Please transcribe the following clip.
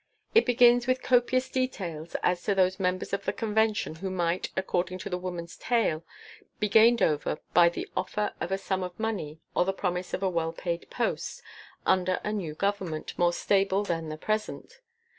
"It begins with copious details as to those members of the Convention who might, according to the woman's tale, be gained over by the offer of a sum of money or the promise of a well paid post under a new Government, more stable than the present.